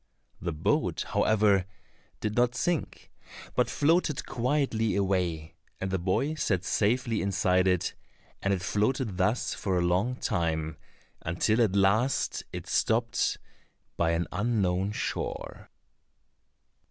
The boat, however, did not sink, but floated quietly away, and the boy sat safely inside it, and it floated thus for a long time, until at last it stopped by an unknown shore.